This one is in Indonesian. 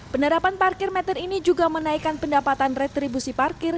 penerapan parkir meter ini juga menaikkan pendapatan retribusi parkir